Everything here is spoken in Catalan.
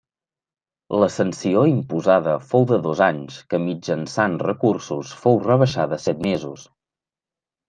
La sanció imposada fou de dos anys que mitjançant recursos fou rebaixada set mesos.